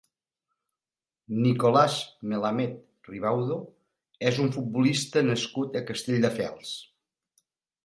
Nicolás Melamed Ribaudo és un futbolista nascut a Castelldefels.